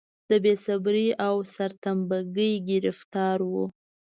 د بې صبرۍ او سرتمبه ګۍ ګرفتار و.